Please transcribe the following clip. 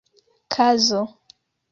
kazo